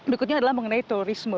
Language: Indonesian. berikutnya adalah mengenai turisme